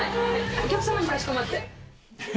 お客様にかしこまって。